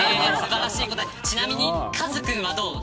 ちなみにカズ君はどうですか。